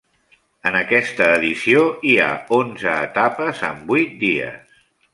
En aquesta edició hi ha onze etapes en vuit dies.